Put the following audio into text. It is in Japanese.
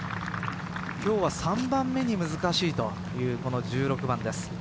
今日は３番目に難しいという１６番です。